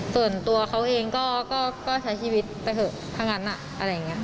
ส่วนตัวเขาเองก็ใช้ชีวิตไปเถอะทั้งนั้น